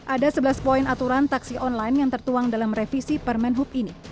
ada sebelas poin aturan taksi online yang tertuang dalam revisi permen hub ini